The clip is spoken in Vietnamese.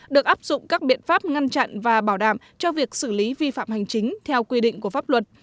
được áp dụng các biện pháp ngăn chặn và bảo đảm cho việc xử lý vi phạm hành chính theo quy định của pháp luật